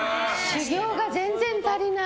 修業が全然足りない。